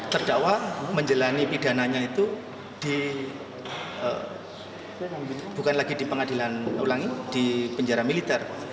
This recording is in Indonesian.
terdakwa menjalani pidananya itu bukan lagi di pengadilan ulangi di penjara militer